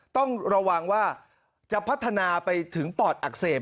ต้องระวังว่าจะพัฒนาไปถึงปอดอักเสบ